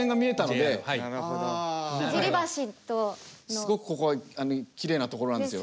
すごくここはきれいな所なんですよ。